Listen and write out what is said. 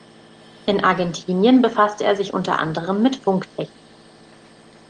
In Argentinien befasste er sich unter anderem mit Funktechnik.